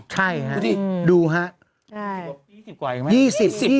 ใช่ครับดูครับ๒๐กว่าอีกไหม